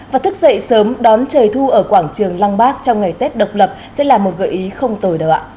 và thức dậy sớm đón trời thu ở quảng trường lăng bác trong ngày tết độc lập sẽ là một gợi ý không tồi đầu ạ